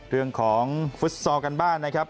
เรื่องของฟุตซอลกันบ้านนะครับ